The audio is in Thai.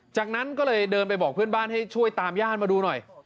จากนั้นก็เลยเดินไปบอกเพื่อนบ้านให้ช่วยตามญาติมาดูหน่อย